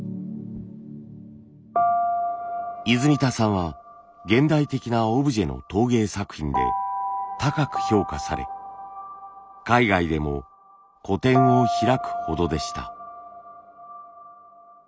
泉田さんは現代的なオブジェの陶芸作品で高く評価され海外でも個展を開くほどでした。